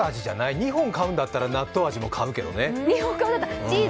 ２本買うんだったらなっとう味も買うけどね。